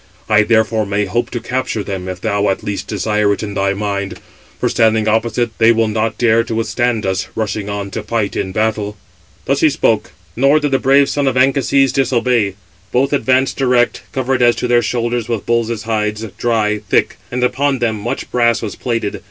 I therefore may hope to capture them, if thou, at least, desire it in thy mind; for standing opposite, they will not dare to withstand us, rushing on to fight in battle." Thus he spoke; nor did the brave son of Anchises disobey. Both advanced direct, covered as to their shoulders with bulls' hides, dry, thick; and upon them much brass was plated.